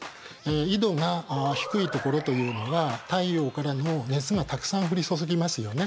緯度が低い所というのは太陽からの熱がたくさん降り注ぎますよね。